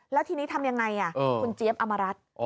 แล้วทีนี้ทำยังไงคุณเจี๊ยบอมรัฐ